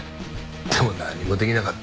でも何もできなかった。